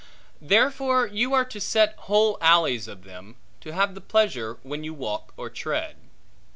Therefore you are to set whole alleys of them, to have the pleasure when you walk or tread.